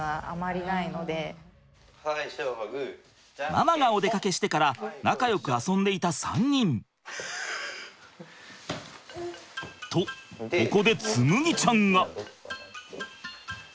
ママがお出かけしてから仲よく遊んでいた３人。とここで紬ちゃんが。